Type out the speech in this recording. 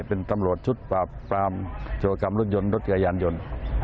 เป็นตำรวจชุดปราบปรามโจรกรรมรถยนต์รถจักรยานยนต์